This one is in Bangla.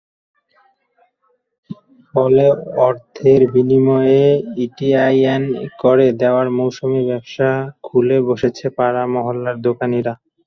ফলে অর্থের বিনিময়ে ইটিআইএন করে দেওয়ার মৌসুমি ব্যবসা খুলে বসেছে পাড়া-মহল্লার দোকানিরা।